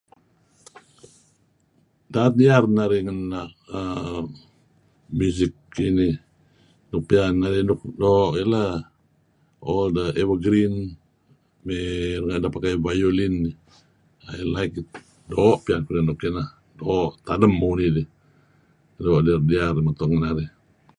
"Daet dier narih ngen uhm music kinih. Paad piyan narih nuk doo' iih lah ""all the evergreen"" may nga' deh pakai violin ""I like it"". Doo' piyan keduih ngen nuk ineh. Doo' tadem unih dih. Doo' dier-dier dih utung narih."